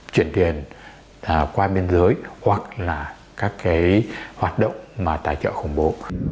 chuyển tiền qua biên giới hoặc là các hoạt động tài trợ khủng bố